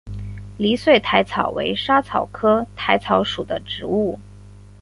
离穗薹草为莎草科薹草属的植物。